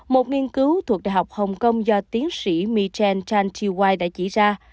một nghiên cứu thuộc đại học hồng kông do tiến sĩ mi chen chan chi wai đã chỉ ra